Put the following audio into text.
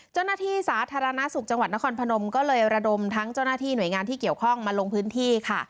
เจ้าหน้าที่สาธารณสุขจังหวัดนครพนมก็เลยระดมทั้งเจ้าหน้าที่หน่วยงานที่เกี่ยวข้องมาลงพื้นที่ค่ะ